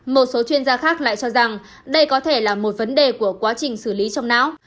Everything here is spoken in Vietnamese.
một số chuyên gia khác lại cho rằng đây có thể là một vấn đề của quá trình xử lý trong não